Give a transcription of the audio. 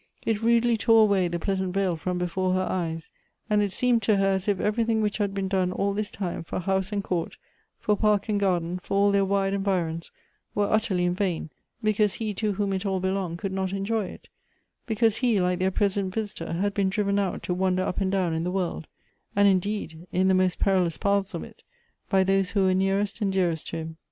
It rudely tore away the pleaaant veil from before her eyes, and it seemed to her as if everything which had been done all this time for house and court, for park and garden, for all their wide environs, were utterly in vain, because he to whom it all belonged could not enjoy it ; because he, like their present visitor, had been driven out to wander up and down in the world — and, indeed, in the most peril ous paths of it — by those who were nearest and dearest to him.